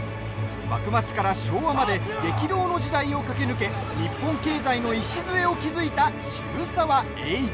幕末から昭和まで激動の時代を駆け抜け日本経済の礎を築いた渋沢栄一。